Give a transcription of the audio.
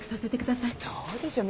どうでしょう。